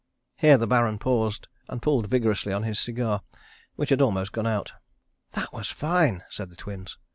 _] Here the Baron paused and pulled vigourously on his cigar, which had almost gone out. "That was fine," said the Twins.